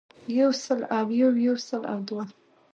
يو سل او يو يو سل او دوه